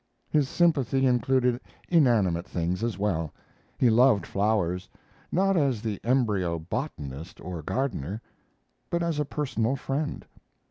His sympathy included inanimate things as well. He loved flowers not as the embryo botanist or gardener, but as a personal friend.